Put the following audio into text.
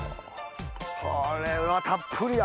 これはたっぷりだ！